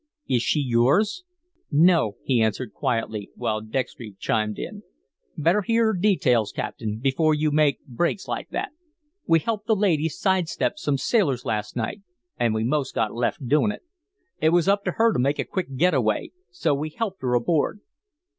Is she yours?" "No," he answered quietly, while Dextry chimed in: "Better hear details, captain, before you make breaks like that. We helped the lady side step some sailors last night and we most got left doing it. It was up to her to make a quick get away, so we helped her aboard."